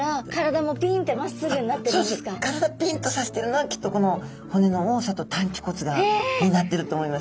体ピンッとさせてるのはきっとこの骨の多さと担鰭骨がになってると思います。